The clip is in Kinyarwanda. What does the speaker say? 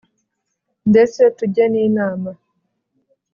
ndetse tujye n’inama !